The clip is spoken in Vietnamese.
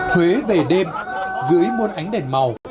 huế về đêm dưới môn ánh đèn màu